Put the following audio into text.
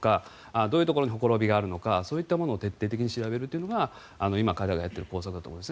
どういうところにほころびがあるのかそういったものを徹底的に調べるというのが今、彼らがやっている工作だと思います。